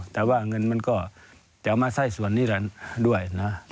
แต่ว่าเงินมันก็จะเอามาไส้ส่วนนี้กันด้วยนะ